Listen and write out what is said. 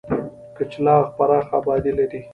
کچلاغ پراخه آبادي لري.